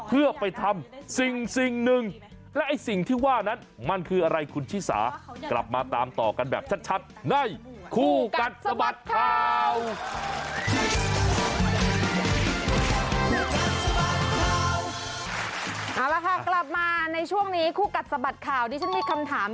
เอาละค่ะกลับมาในช่วงนี้คู่กัดสะบัดข่าวที่ฉันมีคำถาม